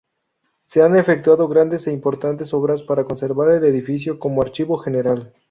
Se han efectuado grandes e importantes obras para conservar el edificio como Archivo General.